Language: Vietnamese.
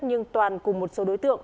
nhưng toàn cùng một số đối tượng